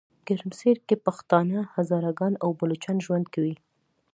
ګرمسیرکې پښتانه، هزاره ګان او بلوچان ژوند کوي.